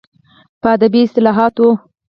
په ادبي اصلاحاتو